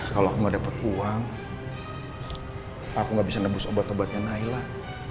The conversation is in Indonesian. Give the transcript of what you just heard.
kalau aku gak dapat uang aku gak bisa nebus obat obatnya nailah